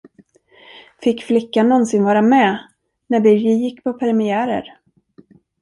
Fick flickan nånsin vara med, när Birger gick på premiärer.